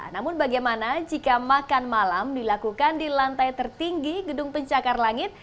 namun bagaimana jika makan malam dilakukan di lantai tertinggi gedung pencakar langit